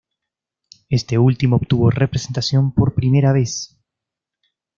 Este último obtuvo representación por primera vez.